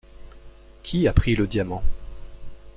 Qui a pris le diamant?